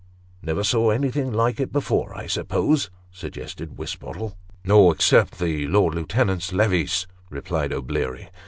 " Never saw anything like it before, I suppose ?" suggested Wis bottle. " No except the Lord Lieutenant's levees," replied O'Bleary.